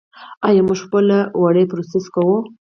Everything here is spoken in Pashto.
آیا موږ خپل وړۍ پروسس کوو؟